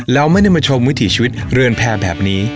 แล้วไม่ได้มาชมวิถีชีวิตเรือนแพร่แบบนี้